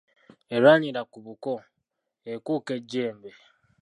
Erwanira ku buko, ekuuka ejjembe.